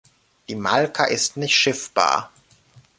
Die Malka ist nicht schiffbar.